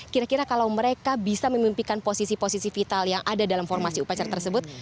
kira kira kalau mereka bisa memimpikan posisi posisi vital yang ada dalam formasi upacara tersebut